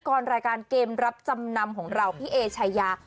รายการเกมรับจำนำของเราพี่เอชายา